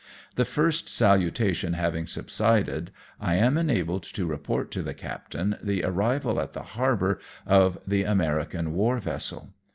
The first salutations having subsided, I am enabled to report to the captain the arrival in the harbour of the American war vessel.